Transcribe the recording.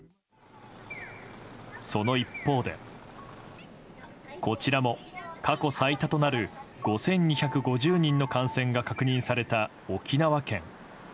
その一方でこちらも過去最多となる５２５０人の感染が確認された沖縄県。